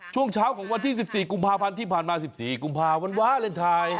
ช่วงเช้าของวันที่๑๔กุมภาพันธ์ที่ผ่านมา๑๔กุมภาวันวาเลนไทย